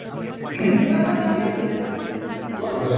Igualmente, dedicó gran parte de su tiempo a la musicalización de poemas.